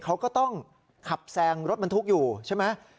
เขาก็ต้องขับแซงรถบรรทุกอยู่ใช่ไหม